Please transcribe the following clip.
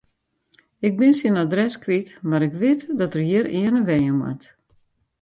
Ik bin syn adres kwyt, mar ik wit dat er hjirearne wenje moat.